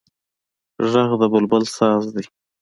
غږ د بلبل ساز دی